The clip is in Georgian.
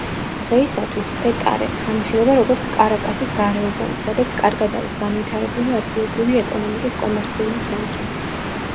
დღეისათვის, პეტარე განიხილება როგორც კარაკასის გარეუბანი, სადაც კარგად არის განვითარებული ადგილობრივი ეკონომიკის კომერციული ცენტრი.